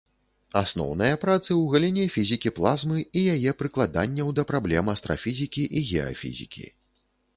Асноўныя працы ў галіне фізікі плазмы і яе прыкладанняў да праблем астрафізікі і геафізікі.